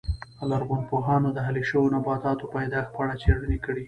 لرغونپوهانو د اهلي شویو نباتاتو پیدایښت په اړه څېړنې کړې